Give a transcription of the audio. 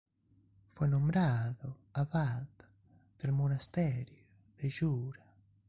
Fue nombrado abad del monasterio de Jura.